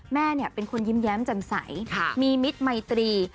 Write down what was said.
แม่เป็นคนยิ้มแย้มแจ่มใสมีมิตรมัยตรี